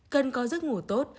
cần có giấc ngủ tốt